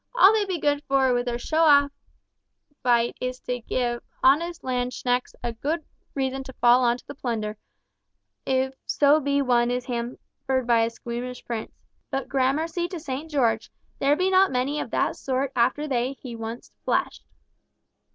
All they be good for with their show of fight is to give honest landsknechts a good reason to fall on to the plunder, if so be one is hampered by a squeamish prince. But grammercy to St. George, there be not many of that sort after they he once fleshed!"